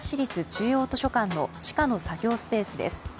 中央図書館の地下の作業スペースです。